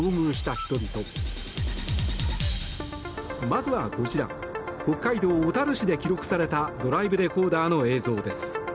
まずはこちら北海道小樽市で記録されたドライブレコーダーの映像です。